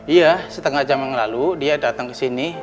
iya setengah jam yang lalu dia datang ke sini